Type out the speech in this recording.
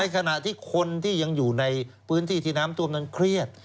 ขณะที่คนที่ยังอยู่ในพื้นที่ที่น้ำท่วมนั้นเครียด